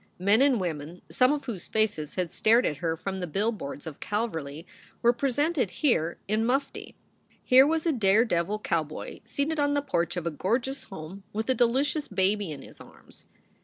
Men and women, some of whose faces had stared at her from the billboards of Calverly, were presented here in mufti. Here was a dare devil cowboy seated on the porch of a gorgeous home, with a delicious baby in his arms.